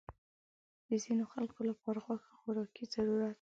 د ځینو خلکو لپاره غوښه خوراکي ضرورت دی.